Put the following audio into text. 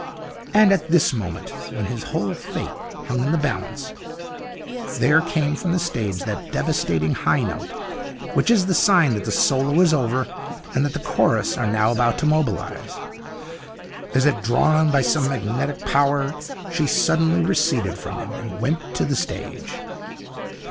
And at this moment, when his whole fate hung in the balance, there came from the stage that devastating high note which is the sign that the solo is over and that the chorus are now about to mobilize. As if drawn by some magnetic power, she suddenly receded from him, and went on to the stage.